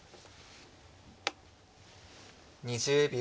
２０秒。